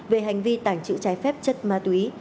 về hành vi tàng trữ trái phép chất ma túy